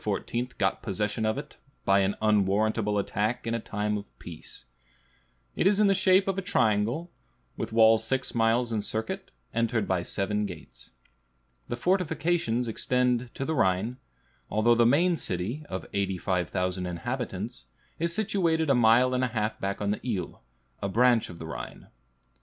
got possession of it, by an unwarrantable attack in a time of peace. It is in shape a triangle, with walls six miles in circuit, entered by seven gates. The fortifications extend to the Rhine, although the main city, of 85,000 inhabitants, is situated a mile and a half back on the Ill, a branch of the Rhine.